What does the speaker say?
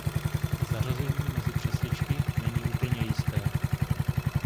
Zařazení mezi přesličky není úplně jisté.